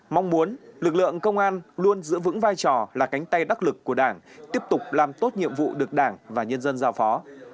mong muốn lực lượng công an luôn giữ vững vai trò là cánh tay đắc lực của đảng tiếp tục làm tốt nhiệm vụ được đảng và nhân dân giao phó